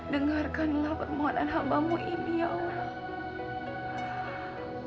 dengarkanlah permohonan hambamu ini ya allah